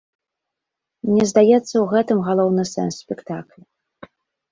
Мне здаецца, у гэтым галоўны сэнс спектакля.